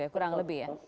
kurang lebih ya